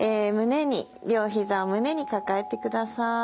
両ひざを胸に抱えてください。